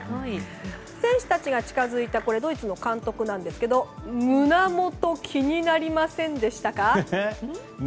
選手たちが近づいたドイツの監督なんですが胸元、気になりませんでしたか？